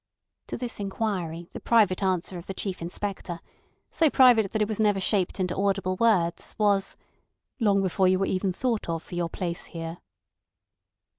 To this inquiry the private answer of the Chief Inspector, so private that it was never shaped into audible words, was: "Long before you were even thought of for your place here."